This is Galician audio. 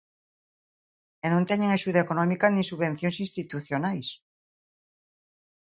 E non teñen axuda económica nin subvencións institucionais.